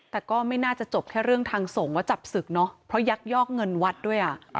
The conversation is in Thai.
แต่ก็ไม่น่าจะจบแค่เรื่องทางส่งว่าจับศึกเนอะเพราะยักยอกเงินวัดด้วยอ่ะ